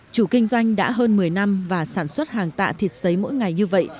chủ kinh doanh đã hơn một mươi năm và sản xuất hàng tạ thịt xấy mỗi ngày như vậy